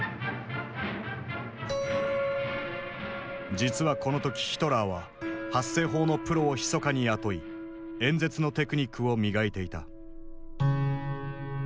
実はこの時ヒトラーは発声法のプロをひそかに雇い演説のテクニックを磨いていた。